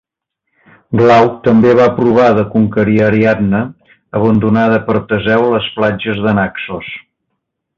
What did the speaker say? Glauc també va provar de conquerir Ariadna, abandonada per Teseu a les platges de Naxos.